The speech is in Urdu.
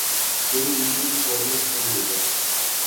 پوری دنیا میں پولیو ختم ہو گیا ہے